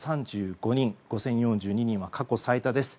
５０４２人は過去最多です。